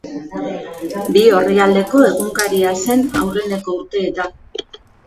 Bi orrialdeko egunkaria zen aurreneko urteetan.